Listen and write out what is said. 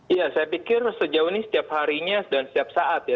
ya saya pikir sejauh ini setiap harinya dan setiap saat ya